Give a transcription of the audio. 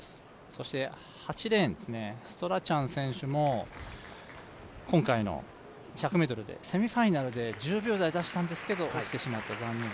そして８レーン、ストラチャン選手も今回の１００ｍでセミファイナルで１０秒台出したんですけれども、落ちてしまって残念。